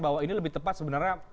bahwa ini lebih tepat sebenarnya